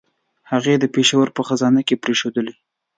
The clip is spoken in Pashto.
هغه یې د پېښور په خزانه کې پرېښودلې.